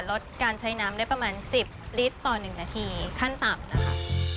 ลดการใช้น้ำได้ประมาณ๑๐ลิตรต่อ๑นาทีขั้นต่ำนะคะ